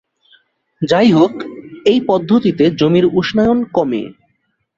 যাইহোক, এই পদ্ধতিতে জমির উষ্ণায়ন কমে।